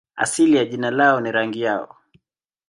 Asili ya jina lao ni rangi yao.